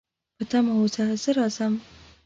په تمه اوسه، زه راځم